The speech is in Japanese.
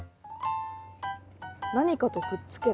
何かとくっつけた？